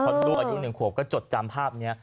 พอดูอายุ๑ขวบก็จดจำภาพนี้